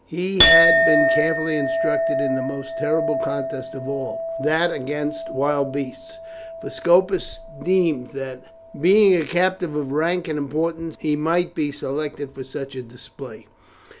He had been carefully instructed in the most terrible contest of all, that against wild beasts, for Scopus deemed that, being a captive of rank and importance, he might be selected for such a display.